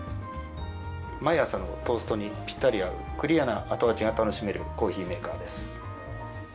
毎朝のトーストにぴったり合う、クリアな後味が楽しめるコーヒーメーカーです。